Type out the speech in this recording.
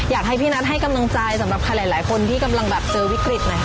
อยากให้พี่นัทให้กำลังใจสำหรับใครหลายคนที่กำลังแบบเจอวิกฤตหน่อยค่ะ